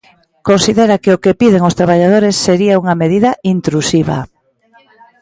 Considera que o que piden os traballadores sería unha medida intrusiva.